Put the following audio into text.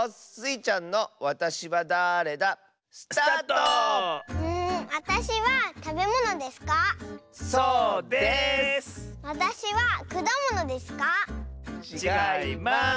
ちがいます！